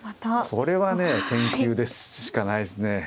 これはね研究でしかないですね。